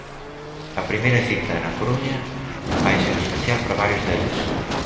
A primeira cita, na Coruña, vai ser especial para varios deles.